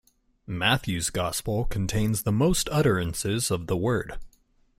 Matthew's gospel contains the most utterances of the word.